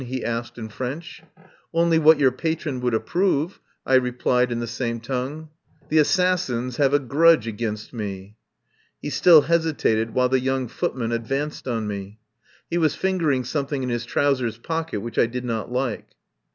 he asked in French. "Only what your patron will approve," I replied in the same tongue. "Messieurs les assassins have a grudge against me." He still hesitated, while the young footman advanced on me. He was fingering some thing in his trousers pocket which I did not like.